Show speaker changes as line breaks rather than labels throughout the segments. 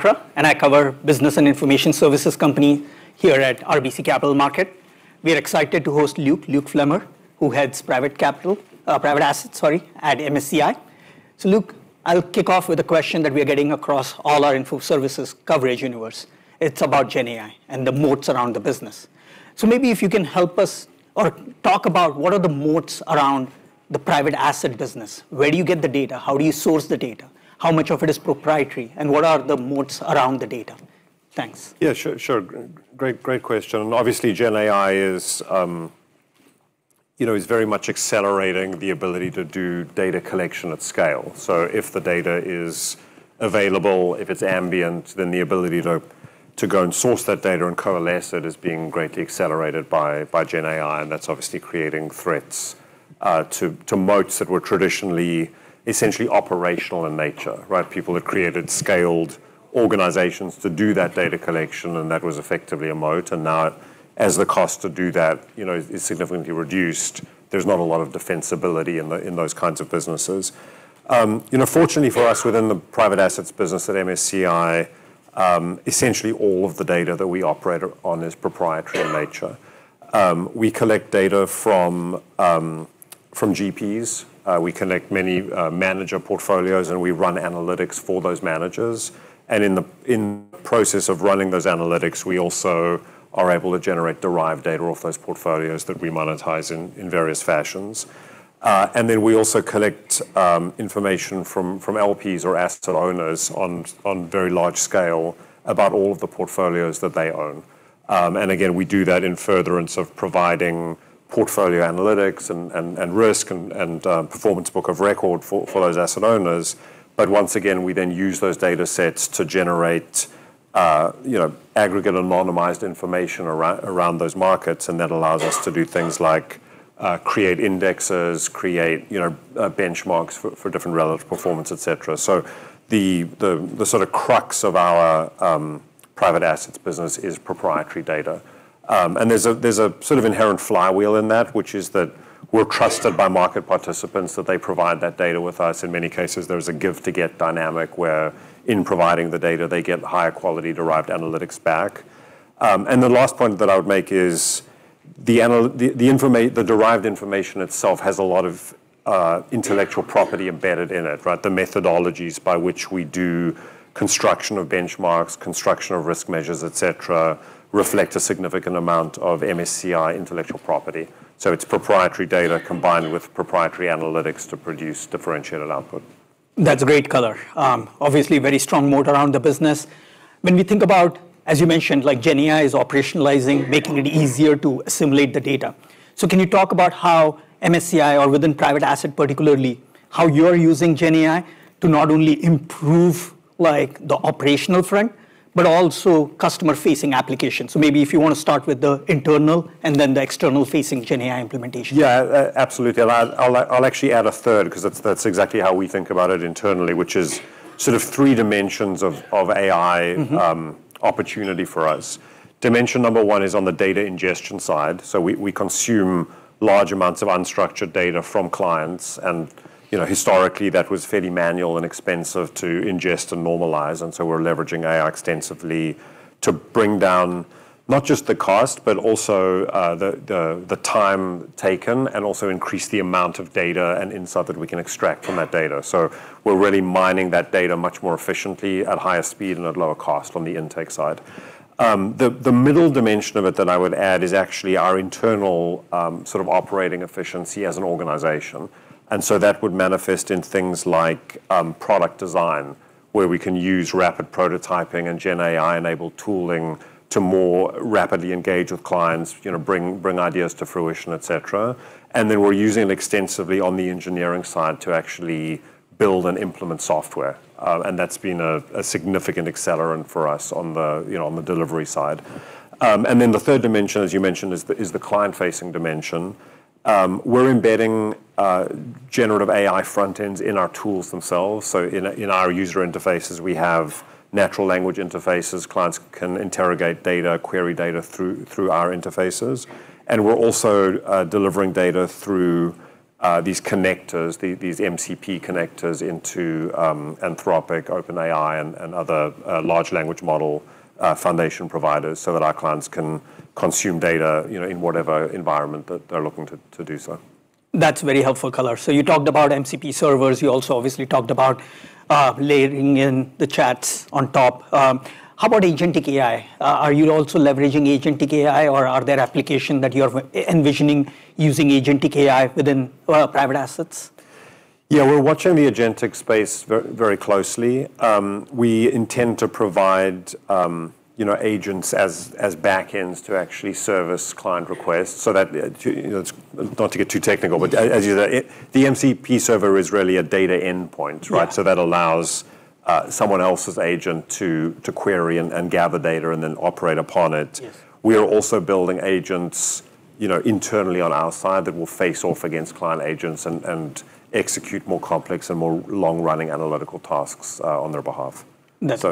I cover business and information services company here at RBC Capital Markets. We're excited to host Luke Flemmer, who heads private assets at MSCI. Luke, I'll kick off with a question that we're getting across all our info services coverage universe. It's about Gen AI and the moats around the business. Maybe if you can help us or talk about what are the moats around the private asset business. Where do you get the data? How do you source the data? How much of it is proprietary, and what are the moats around the data? Thanks.
Yeah, sure. Great question, and obviously Gen AI is, you know, very much accelerating the ability to do data collection at scale. If the data is available, if it's ambient, then the ability to go and source that data and coalesce it is being greatly accelerated by Gen AI, and that's obviously creating threats to moats that were traditionally essentially operational in nature, right? People have created scaled organizations to do that data collection, and that was effectively a moat, and now as the cost to do that is significantly reduced, there's not a lot of defensibility in those kinds of businesses. Fortunately for us within the private assets business at MSCI, essentially all of the data that we operate on is proprietary in nature. We collect data from GPs. We collect many manager portfolios, and we run analytics for those managers. In the process of running those analytics, we also are able to generate derived data off those portfolios that we monetize in various fashions. We also collect information from LPs or asset owners on very large scale about all of the portfolios that they own. We do that in furtherance of providing portfolio analytics and risk and performance book of record for those asset owners. Once again, we then use those datasets to generate you know, aggregate anonymized information around those markets, and that allows us to do things like create indexes, create you know, benchmarks for different relative performance, et cetera. The sort of crux of our private assets business is proprietary data. There's a sort of inherent flywheel in that, which is that we're trusted by market participants that they provide that data with us. In many cases, there's a give to get dynamic, where in providing the data they get higher quality derived analytics back. The last point that I would make is the derived information itself has a lot of intellectual property embedded in it, right? The methodologies by which we do construction of benchmarks, construction of risk measures, et cetera, reflect a significant amount of MSCI intellectual property. It's proprietary data combined with proprietary analytics to produce differentiated output.
That's great color. Obviously very strong moat around the business. When we think about, as you mentioned, like, Gen AI is operationalizing, making it easier to assimilate the data. Can you talk about how MSCI or within private asset particularly, how you're using Gen AI to not only improve, like, the operational front, but also customer-facing applications? Maybe if you want to start with the internal and then the external facing Gen AI implementation.
Yeah, absolutely. I'll actually add a third 'cause that's exactly how we think about it internally, which is sort of three dimensions of AI-
Mm-hmm
Opportunity for us. Dimension number one is on the data ingestion side, so we consume large amounts of unstructured data from clients and, you know, historically, that was fairly manual and expensive to ingest and normalize, and so we're leveraging AI extensively to bring down not just the cost. But also, the time taken and also increase the amount of data and insight that we can extract from that data. We're really mining that data much more efficiently at higher speed and at lower cost on the intake side. The middle dimension of it that I would add is actually our internal, sort of operating efficiency as an organization. That would manifest in things like product design, where we can use rapid prototyping and gen AI-enabled tooling to more rapidly engage with clients, you know, bring ideas to fruition, et cetera. We're using it extensively on the engineering side to actually build and implement software. That's been a significant accelerant for us, you know, on the delivery side. The third dimension, as you mentioned, is the client-facing dimension. We're embedding generative AI front ends in our tools themselves. In our user interfaces, we have natural language interfaces. Clients can interrogate data, query data through our interfaces. We're also delivering data through these connectors, these MCP connectors into Anthropic, OpenAI, and other large language model foundation providers so that our clients can consume data in whatever environment that they're looking to do so.
That's very helpful color. You talked about MCP servers. You also obviously talked about layering in the chats on top. How about agentic AI? Are you also leveraging agentic AI, or are there application that you're envisioning using agentic AI within private assets?
Yeah, we're watching the agentic space very closely. We intend to provide agents as back ends to actually service client requests so that it's not to get too technical, but as you know, the MCP Server is really a data endpoint, right?
Yeah.
That allows someone else's agent to query and gather data and then operate upon it.
Yes.
We are also building agents, you know, internally on our side that will face off against client agents and execute more complex and more long-running analytical tasks on their behalf.
That's-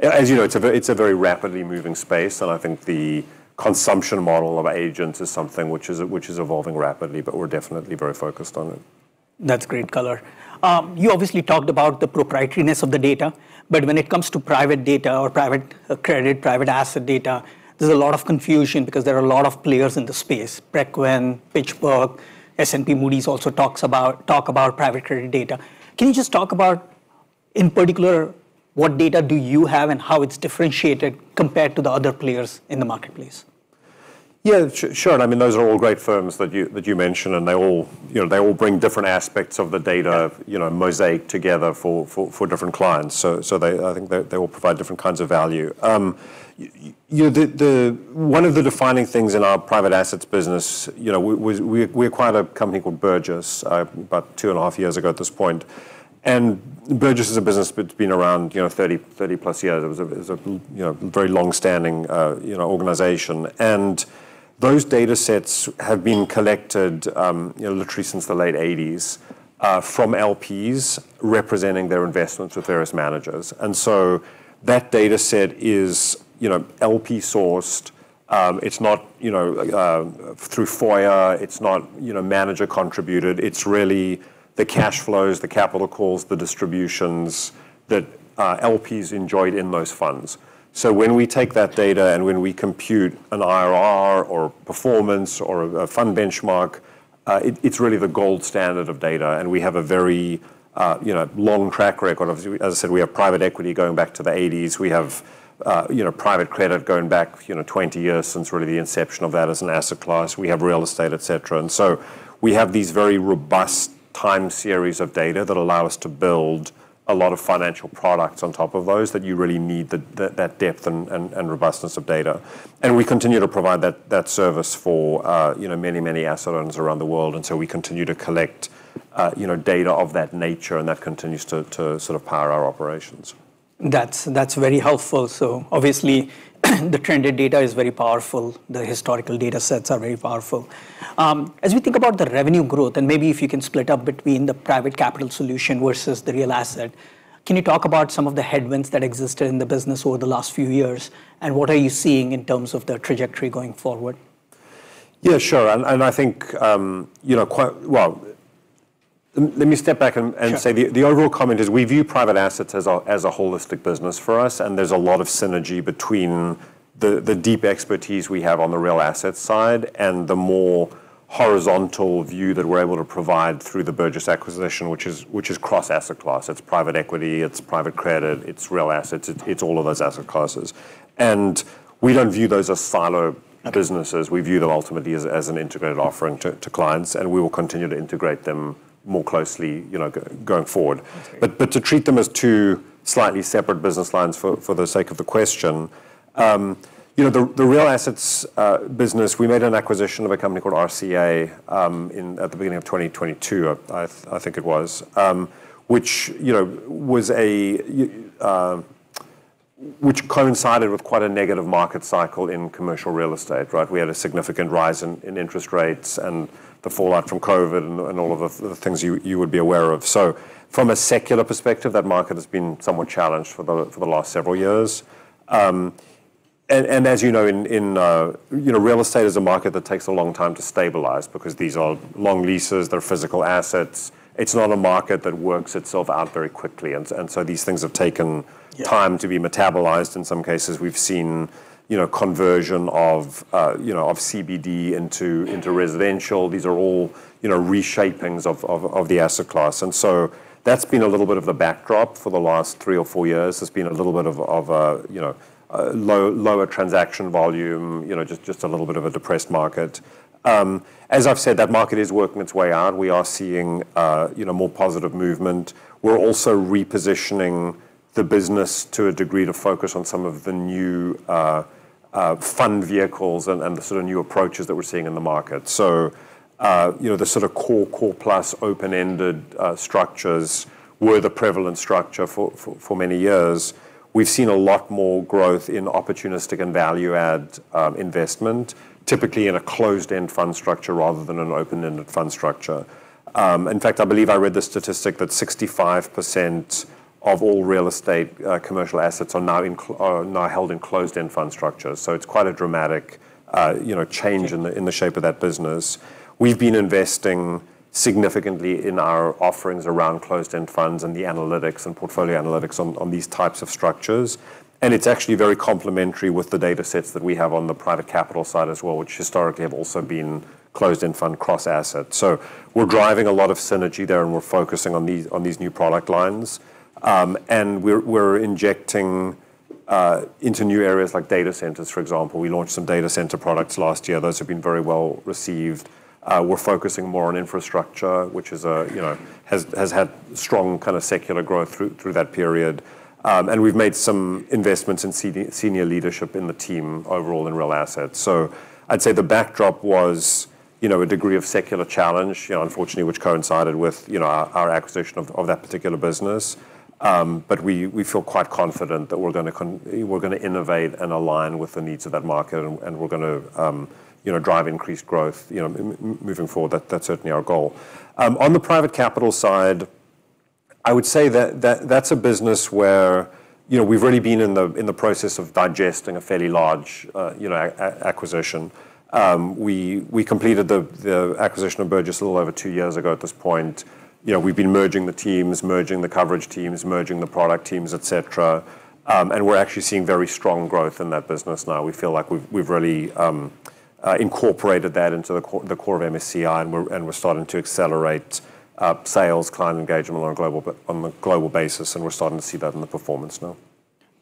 As you know, it's a very rapidly moving space, and I think the consumption model of agents is something which is evolving rapidly, but we're definitely very focused on it.
That's great color. You obviously talked about the proprietariness of the data, but when it comes to private data or private credit, private asset data, there's a lot of confusion because there are a lot of players in the space. Preqin, PitchBook, S&P, Moody's also talk about private credit data. Can you just talk about, in particular, what data do you have and how it's differentiated compared to the other players in the marketplace?
Yeah, sure. I mean, those are all great firms that you mentioned, and they all, you know, they all bring different aspects of the data, you know, mosaic together for different clients. They all provide different kinds of value. One of the defining things in our private assets business we acquired a company called Burgiss about two and a half years ago at this point. Burgiss is a business that's been around, you know, 30-plus years. It was a very long-standing organization. Those datasets have been collected literally since the late 1980s from LPs representing their investments with various managers. That dataset is LP-sourced. It's not through FOIA, it's not manager contributed. It's really the cash flows, the capital calls, the distributions that LPs enjoyed in those funds. When we take that data, and when we compute an IRR or performance or a fund benchmark, it's really the gold standard of data, and we have a very long track record. As I said, we have private equity going back to the 1980s. We have, you know, private credit going back, you know, 20 years, since really the inception of that as an asset class. We have real estate, et cetera. We have these very robust time series of data that allow us to build a lot of financial products on top of those that you really need that depth and robustness of data. We continue to provide that service for many asset owners around the world, and so we continue to collect, you know, data of that nature, and that continues to sort of power our operations.
That's very helpful. Obviously, the trend in data is very powerful. The historical datasets are very powerful. As we think about the revenue growth, and maybe if you can split up between the private capital solution versus the real asset, can you talk about some of the headwinds that existed in the business over the last few years, and what are you seeing in terms of the trajectory going forward?
Yeah, sure. I think well, let me step back and say the overall comment is we view private assets as a holistic business for us, and there's a lot of synergy between the deep expertise we have on the real asset side and the more horizontal view that we're able to provide through the Burgiss acquisition, which is cross-asset class. It's private equity, it's private credit, it's real assets. It's all of those asset classes. We don't view those as silo businesses.
Okay.
We view them ultimately as an integrated offering to clients, and we will continue to integrate them more closely going forward.
Okay.
To treat them as two slightly separate business lines for the sake of the question, the real assets business, we made an acquisition of a company called RCA at the beginning of 2022, I think it was, which you know was a which coincided with quite a negative market cycle in commercial real estate, right? We had a significant rise in interest rates and the fallout from COVID and all of the things you would be aware of. From a secular perspective, that market has been somewhat challenged for the last several years. As you know, in you know real estate is a market that takes a long time to stabilize because these are long leases, they're physical assets. It's not a market that works itself out very quickly. These things have taken-
Yeah
Time to be metabolized. In some cases, we've seen, you know, conversion of, you know, of CBD into residential. These are all, you know, reshapings of the asset class. That's been a little bit of the backdrop for the last three or four years. There's been a little bit of lower transaction volume just a little bit of a depressed market. As I've said, that market is working its way out. We are seeing, you know, more positive movement. We're also repositioning the business to a degree to focus on some of the new fund vehicles and the sort of new approaches that we're seeing in the market. The sort of core plus open-ended structures were the prevalent structure for many years. We've seen a lot more growth in opportunistic and value add, investment, typically in a closed-end fund structure rather than an open-ended fund structure. In fact, I believe I read the statistic that 65% of all real estate, commercial assets are now held in closed-end fund structures. It's quite a dramatic, ychange.
Okay
In the shape of that business. We've been investing significantly in our offerings around closed-end funds and the analytics and portfolio analytics on these types of structures. It's actually very complementary with the datasets that we have on the private capital side as well, which historically have also been closed-end fund cross-asset. We're driving a lot of synergy there, and we're focusing on these new product lines. We're injecting into new areas like data centers, for example. We launched some data center products last year. Those have been very well received. We're focusing more on infrastructure, which you know has had strong kind of secular growth through that period. We've made some investments in senior leadership in the team overall in real assets. I'd say the backdrop was a degree of secular challenge, unfortunately, which coincided with our acquisition of that particular business. We feel quite confident that we're going to innovate and align with the needs of that particular market, and we're going to drive increased growth moving forward. That's certainly our goal. On the private capital side, I would say that that's a business where we've really been in the process of digesting a fairly large acquisition. We completed the acquisition of Burgiss a little over 2 years ago at this point. You know, we've been merging the teams, merging the coverage teams, merging the product teams, et cetera. We're actually seeing very strong growth in that business now. We feel like we've really incorporated that into the core of MSCI, and we're starting to accelerate sales, client engagement on a global basis, and we're starting to see that in the performance now.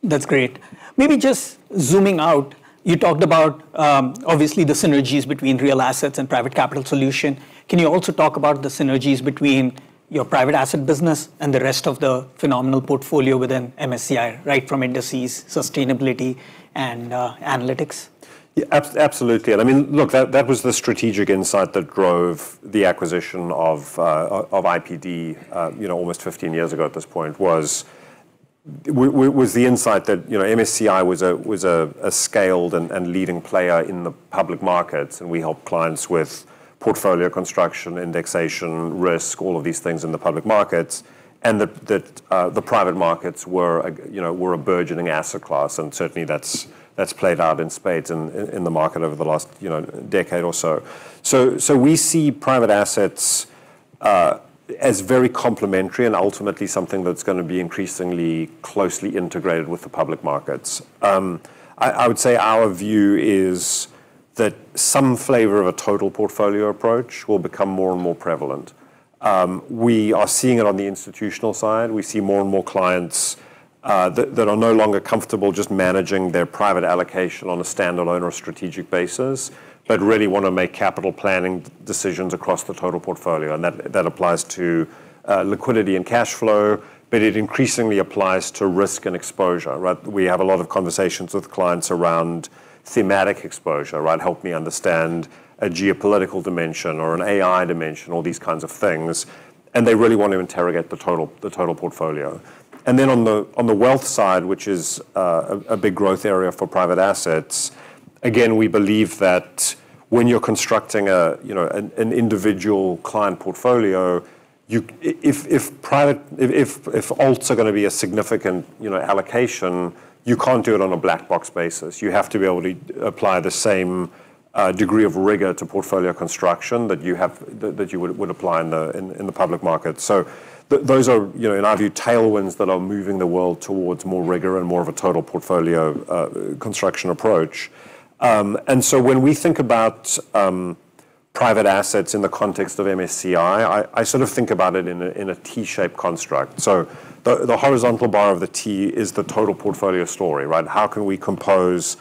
That's great. Maybe just zooming out, you talked about obviously the synergies between real assets and private capital solution. Can you also talk about the synergies between your private asset business and the rest of the phenomenal portfolio within MSCI, right from indices, sustainability and analytics?
Yeah. Absolutely. I mean, look, that was the strategic insight that drove the acquisition of IPD, you know, almost 15 years ago at this point, was the insight that, you know, MSCI was a scaled and leading player in the public markets, and we help clients with portfolio construction, indexation, risk, all of these things in the public markets, and the private markets were a burgeoning asset class, you know, and certainly that's played out in spades in the market over the last decade or so. So we see private assets as very complementary and ultimately something that's going to be increasingly closely integrated with the public markets. I would say our view is that some flavor of a total portfolio approach will become more and more prevalent. We are seeing it on the institutional side. We see more and more clients that are no longer comfortable just managing their private allocation on a standalone or a strategic basis, but really want to make capital planning decisions across the total portfolio. That applies to liquidity and cash flow, but it increasingly applies to risk and exposure, right? We have a lot of conversations with clients around thematic exposure, right? Help me understand a geopolitical dimension or an AI dimension, all these kinds of things, and they really want to interrogate the total portfolio. Then on the wealth side, which is a big growth area for private assets, again, we believe that when you're constructing a you know an individual client portfolio, you... If private alts are going to be a significant, you know, allocation, you can't do it on a black box basis. You have to be able to apply the same degree of rigor to portfolio construction that you would apply in the public market. Those are, you know, in our view, tailwinds that are moving the world towards more rigor and more of a total portfolio construction approach. When we think about private assets in the context of MSCI, I sort of think about it in a T-shaped construct. The horizontal bar of the T is the total portfolio story, right? How can we compose,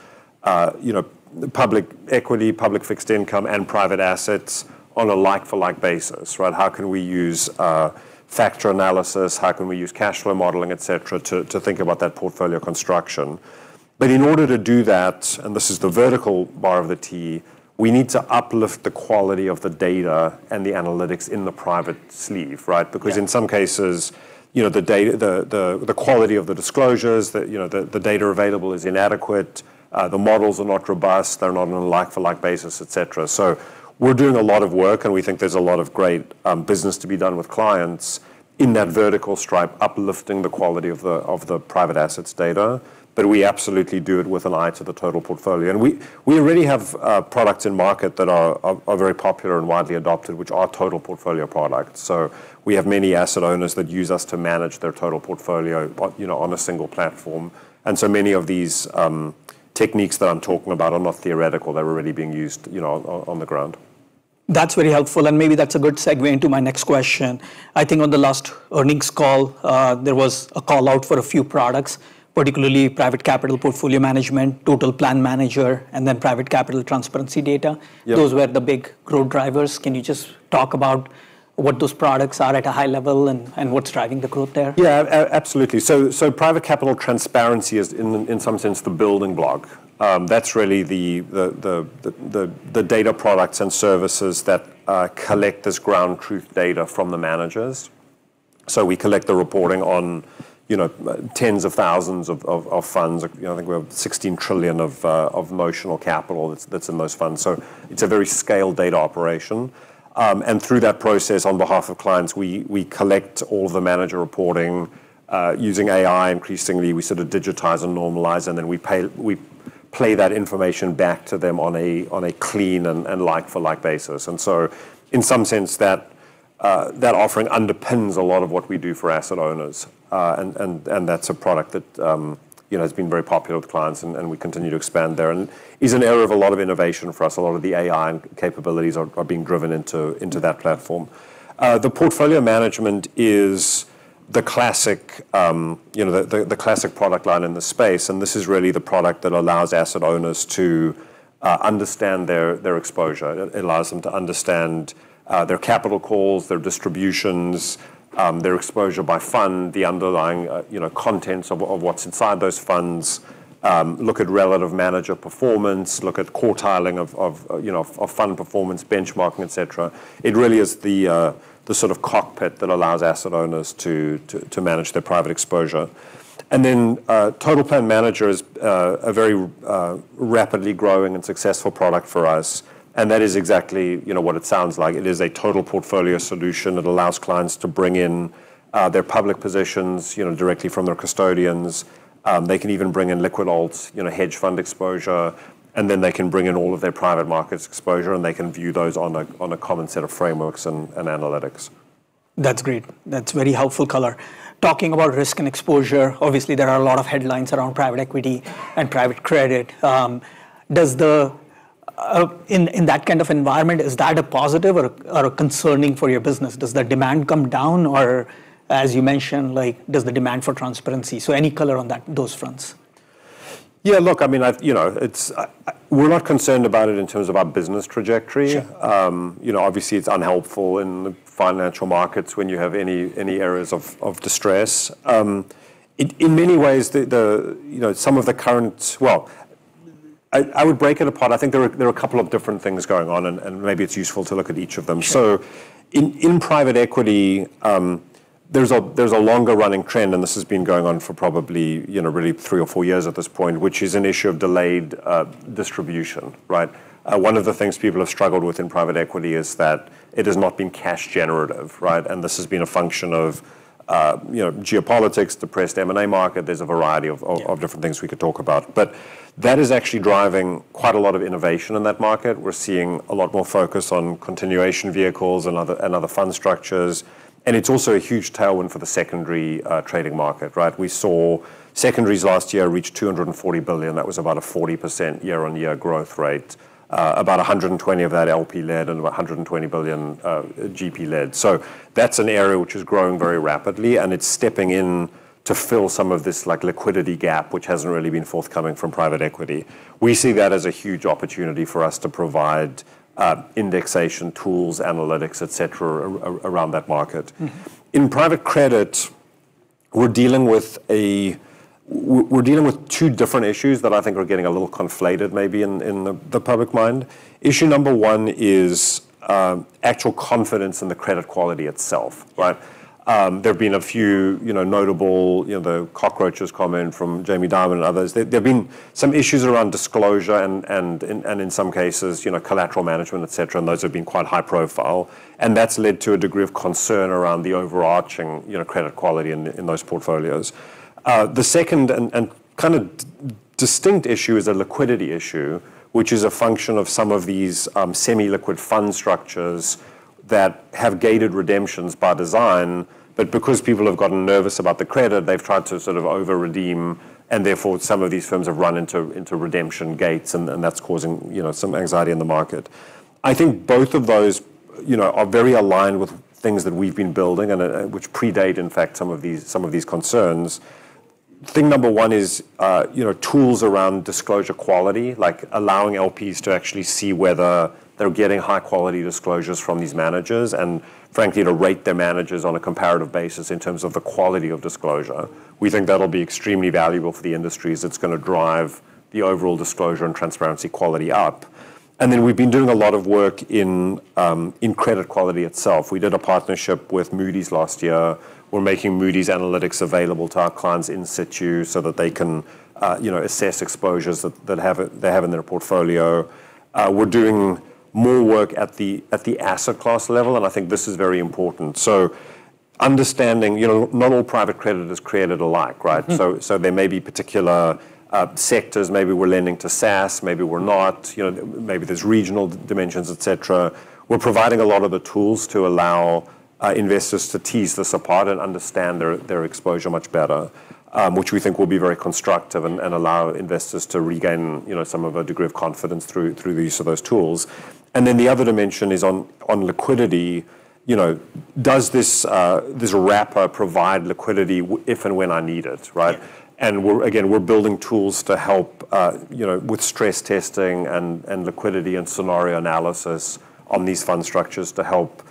you know, public equity, public fixed income, and private assets on a like for like basis, right? How can we use factor analysis? How can we use cash flow modeling, et cetera, to think about that portfolio construction? In order to do that, and this is the vertical bar of the T, we need to uplift the quality of the data and the analytics in the private sleeve, right?
Yeah.
Because in some cases, you know, the quality of the disclosures, you know, the data available is inadequate. The models are not robust. They're not on a like for like basis, et cetera. We're doing a lot of work, and we think there's a lot of great business to be done with clients in that vertical stripe, uplifting the quality of the private assets data. We absolutely do it with an eye to the total portfolio. We already have products in market that are very popular and widely adopted, which are total portfolio products. We have many asset owners that use us to manage their total portfolio, you know, on a single platform. Many of these techniques that I'm talking about are not theoretical. They're already being used, you know, on the ground.
That's very helpful, and maybe that's a good segue into my next question. I think on the last earnings call, there was a call out for a few products, particularly Private Capital Portfolio Management, Total Plan Manager, and then Private Capital Transparency Data.
Yeah.
Those were the big growth drivers. Can you just talk about what those products are at a high level and what's driving the growth there?
Yeah. Absolutely. Private Capital Transparency is in some sense the building block. That's really the data products and services that collect this ground truth data from the managers. We collect the reporting on, you know, tens of thousands of funds. You know, I think we have $16 trillion of notional capital that's in those funds. It's a very scaled data operation. Through that process, on behalf of clients, we collect all of the manager reporting using AI increasingly. We sort of digitize and normalize, and then we play that information back to them on a clean and like for like basis. In some sense that offering underpins a lot of what we do for asset owners. that's a product that, you know, has been very popular with clients and we continue to expand there. It is an area of a lot of innovation for us. A lot of the AI capabilities are being driven into that platform. The portfolio management is the classic, you know, the classic product line in the space, and this is really the product that allows asset owners to understand their exposure. It allows them to understand their capital calls, their distributions, their exposure by fund, the underlying, you know, contents of what's inside those funds, look at relative manager performance, look at quartiling of, you know, of fund performance, benchmarking, et cetera. It really is the sort of cockpit that allows asset owners to manage their private exposure. Then, Total Plan Manager is a very rapidly growing and successful product for us. That is exactly, you know, what it sounds like. It is a total portfolio solution. It allows clients to bring in their public positions, you know, directly from their custodians. They can even bring in liquid alts, you know, hedge fund exposure, and then they can bring in all of their private markets exposure, and they can view those on a common set of frameworks and analytics.
That's great. That's very helpful color. Talking about risk and exposure, obviously there are a lot of headlines around private equity and private credit. In that kind of environment, is that a positive or concerning for your business? Does the demand come down? Or as you mentioned, like, does the demand for transparency, so any color on those fronts?
Yeah, look, I mean, you know, we're not concerned about it in terms of our business trajectory.
Sure.
You know, obviously it's unhelpful in the financial markets when you have any areas of distress. Well, I would break it apart. I think there are a couple of different things going on, and maybe it's useful to look at each of them.
Sure.
In private equity, there's a longer running trend, and this has been going on for probably, you know, really three or four years at this point, which is an issue of delayed distribution, right? One of the things people have struggled with in private equity is that it has not been cash generative, right? This has been a function of, you know, geopolitics, depressed M&A market. There's a variety of
Yeah
....of different things we could talk about. That is actually driving quite a lot of innovation in that market. We're seeing a lot more focus on continuation vehicles and other fund structures. It's also a huge tailwind for the secondary trading market, right? We saw secondaries last year reach $240 billion. That was about a 40% year-on-year growth rate. About $120 billion of that LP-led and about $120 billion GP-led. That's an area which is growing very rapidly, and it's stepping in to fill some of this like liquidity gap, which hasn't really been forthcoming from private equity. We see that as a huge opportunity for us to provide indexation tools, analytics, et cetera, around that market.
Mm-hmm.
In private credit, we're dealing with two different issues that I think are getting a little conflated maybe in the public mind. Issue number one is actual confidence in the credit quality itself, right? There have been a few, you know, notable, you know, the cockroaches comment from Jamie Dimon and others. There have been some issues around disclosure and in some cases, you know, collateral management, et cetera, and those have been quite high profile. That's led to a degree of concern around the overarching, you know, credit quality in those portfolios. The second and kind of distinct issue is a liquidity issue, which is a function of some of these semi-liquid fund structures that have gated redemptions by design. Because people have gotten nervous about the credit, they've tried to sort of over redeem, and therefore some of these firms have run into redemption gates, and that's causing, you know, some anxiety in the market. I think both of those, you know, are very aligned with things that we've been building and, which predate, in fact, some of these concerns. Thing number one is, you know, tools around disclosure quality, like allowing LPs to actually see whether they're getting high quality disclosures from these managers and frankly, to rate their managers on a comparative basis in terms of the quality of disclosure. We think that'll be extremely valuable for the industry as it's going to drive the overall disclosure and transparency quality up. Then we've been doing a lot of work in credit quality itself. We did a partnership with Moody's last year. We're making Moody's Analytics available to our clients in situ so that they can assess exposures that they have in their portfolio. We're doing more work at the asset class level, and I think this is very important. Understanding, you know, not all private credit is created alike, right?
Mm.
There may be particular sectors. Maybe we're lending to SaaS, maybe we're not. You know, maybe there's regional dimensions, et cetera. We're providing a lot of the tools to allow investors to tease this apart and understand their exposure much better, which we think will be very constructive and allow investors to regain, you know, some of a degree of confidence through the use of those tools. The other dimension is on liquidity. You know, does this wrapper provide liquidity if and when I need it, right?
Yeah.
We're, again, building tools to help you know with stress testing and liquidity and scenario analysis on these fund structures to help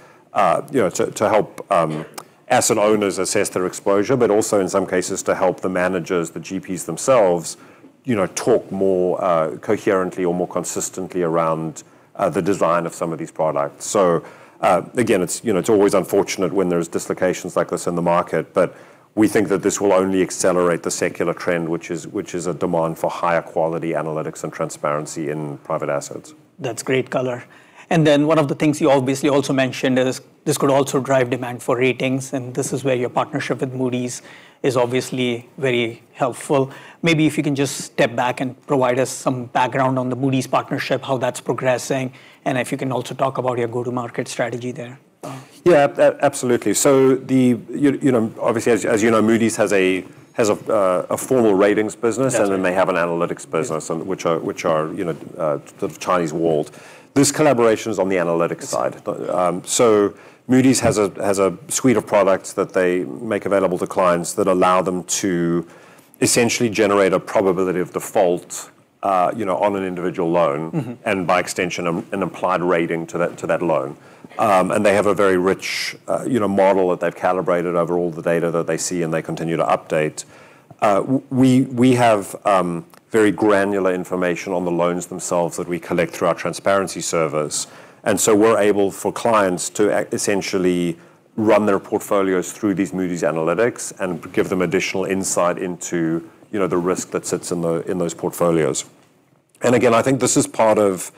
you know to help asset owners assess their exposure, but also in some cases to help the managers, the GPs themselves, you know, talk more coherently or more consistently around the design of some of these products. Again, it's you know it's always unfortunate when there's dislocations like this in the market, but we think that this will only accelerate the secular trend, which is a demand for higher quality analytics and transparency in private assets.
That's great color. One of the things you obviously also mentioned is this could also drive demand for ratings, and this is where your partnership with Moody's is obviously very helpful. Maybe if you can just step back and provide us some background on the Moody's partnership, how that's progressing, and if you can also talk about your go-to-market strategy there.
Yeah. Absolutely. You know, obviously, as you know, Moody's has a formal ratings business.
Got you.
They have an analytics business.
Yeah
Which are, you know, sort of Chinese walled. This collaboration is on the analytics side.
Okay.
Moody's has a suite of products that they make available to clients that allow them to essentially generate a probability of default, you know, on an individual loan.
Mm-hmm.
By extension, an applied rating to that loan. They have a very rich, you know, model that they've calibrated over all the data that they see and they continue to update. We have very granular information on the loans themselves that we collect through our transparency service. We're able, for clients, to essentially run their portfolios through these Moody's Analytics and give them additional insight into, you know, the risk that sits in those portfolios. I think this is part of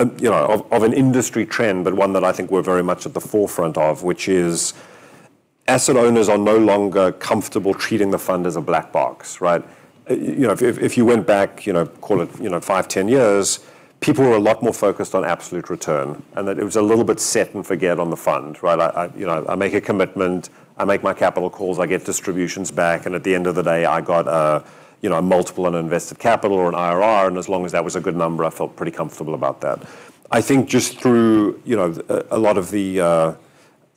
a, you know, of an industry trend, but one that I think we're very much at the forefront of, which is asset owners are no longer comfortable treating the fund as a black box, right? You know, if you went back, you know, call it five, 10 years, people were a lot more focused on absolute return, and that it was a little bit set and forget on the fund, right? You know, I make a commitment, I make my capital calls, I get distributions back, and at the end of the day, I got a you know, a multiple on invested capital or an IRR, and as long as that was a good number, I felt pretty comfortable about that. I think just through, you know, a lot of the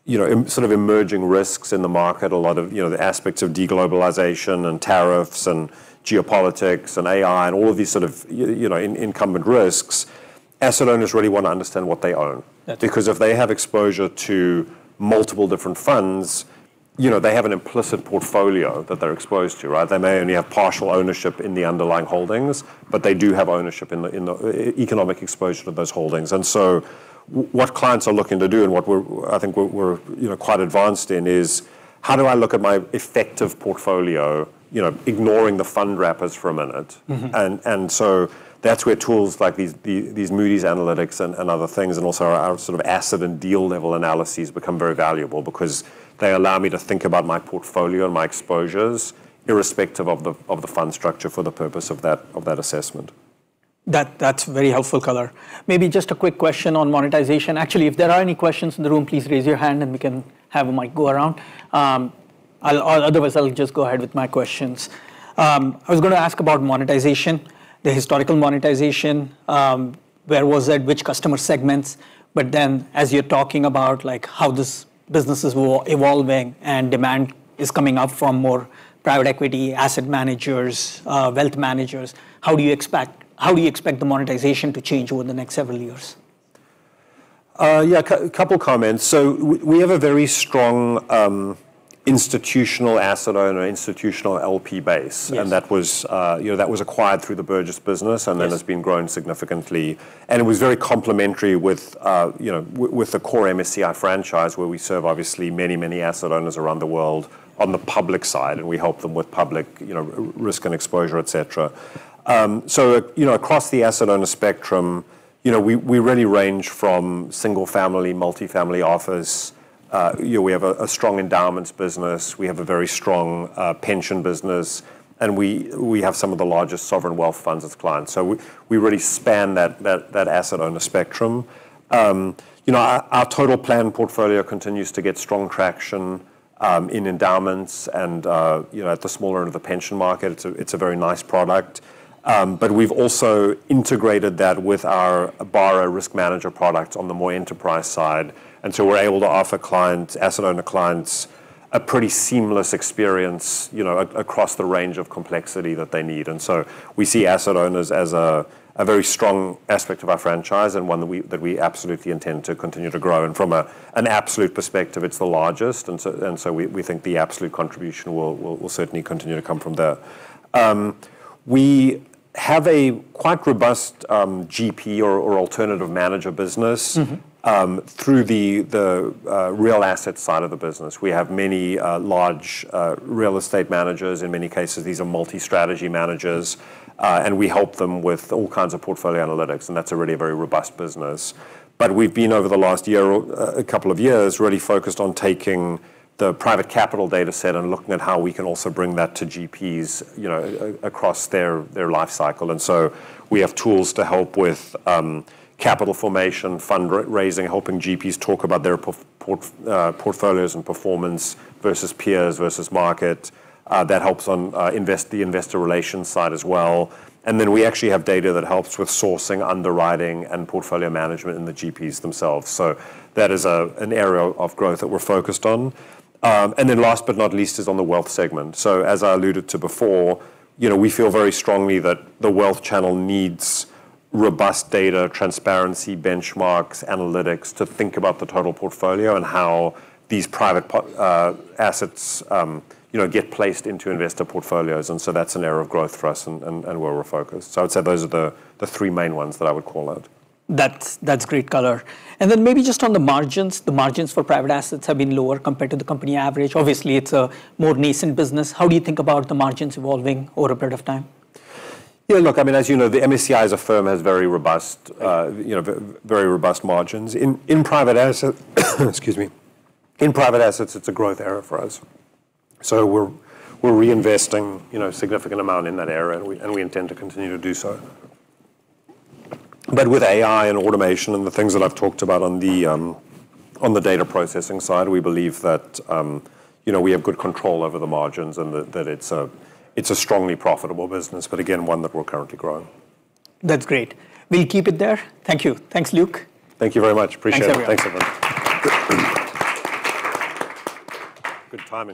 you know sort of emerging risks in the market, a lot of you know the aspects of de-globalization and tariffs and geopolitics and AI and all of these sort of you know incumbent risks, asset owners really want to understand what they own.
Yeah.
Because if they have exposure to multiple different funds, you know, they have an implicit portfolio that they're exposed to, right? They may only have partial ownership in the underlying holdings, but they do have ownership in the economic exposure to those holdings. What clients are looking to do and what we're, I think we're quite advanced in is, how do I look at my effective portfolio, you know, ignoring the fund wrappers for a minute?
Mm-hmm.
That's where tools like these, Moody's Analytics and other things and also our sort of asset and deal-level analyses become very valuable because they allow me to think about my portfolio and my exposures irrespective of the fund structure for the purpose of that assessment.
That, that's very helpful color. Maybe just a quick question on monetization. Actually, if there are any questions in the room, please raise your hand and we can have a mic go around. Or otherwise I'll just go ahead with my questions. I was going to ask about monetization, the historical monetization, where was it, which customer segments, but then as you're talking about, like, how this business is evolving and demand is coming up from more private equity, asset managers, wealth managers, how do you expect the monetization to change over the next several years?
Yeah. Couple comments. We have a very strong institutional asset owner, institutional LP base.
Yes.
that was, you know, acquired through the Burgiss business.
Yes...
and then has been grown significantly. It was very complementary with, you know, with the core MSCI franchise, where we serve obviously many asset owners around the world on the public side, and we help them with public, you know, risk and exposure, et cetera. You know, across the asset owner spectrum, you know, we really range from single-family, multi-family office. You know, we have a strong endowments business. We have a very strong pension business, and we have some of the largest sovereign wealth funds as clients. We really span that asset owner spectrum. You know, our total plan portfolio continues to get strong traction in endowments and, you know, at the smaller end of the pension market. It's a very nice product. We've also integrated that with our Barra Risk Manager product on the more enterprise side. We're able to offer clients, asset owner clients a pretty seamless experience, you know, across the range of complexity that they need. We see asset owners as a very strong aspect of our franchise and one that we absolutely intend to continue to grow. From an absolute perspective, it's the largest, we think the absolute contribution will certainly continue to come from there. We have a quite robust GP or alternative manager business.
Mm-hmm
Through the real asset side of the business. We have many large real estate managers. In many cases, these are multi-strategy managers. We help them with all kinds of portfolio analytics, and that's a really very robust business. We've been, over the last year or a couple of years, really focused on taking the private capital data set and looking at how we can also bring that to GPs, you know, across their life cycle. We have tools to help with capital formation, fundraising, helping GPs talk about their portfolios and performance versus peers versus market. That helps on the investor relations side as well. We actually have data that helps with sourcing, underwriting, and portfolio management in the GPs themselves. That is an area of growth that we're focused on. Last but not least is on the wealth segment. As I alluded to before, you know, we feel very strongly that the wealth channel needs robust data, transparency, benchmarks, analytics to think about the total portfolio and how these private assets, you know, get placed into investor portfolios, and so that's an area of growth for us and where we're focused. I'd say those are the three main ones that I would call out.
That's great color. Then maybe just on the margins, the margins for private assets have been lower compared to the company average. Obviously, it's a more recent business. How do you think about the margins evolving over a period of time?
Yeah, look, I mean, as you know, MSCI as a firm has very robust, you know, robust margins. In private assets, it's a growth area for us, so we're reinvesting, you know, a significant amount in that area, and we intend to continue to do so. With AI and automation and the things that I've talked about on the data processing side, we believe that, you know, we have good control over the margins and that it's a strongly profitable business but again one that we're currently growing.
That's great. We'll keep it there. Thank you. Thanks, Luke.
Thank you very much. Appreciate it.
Thanks, everyone.
Thanks, everyone. Good timing.